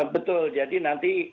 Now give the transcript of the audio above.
betul jadi nanti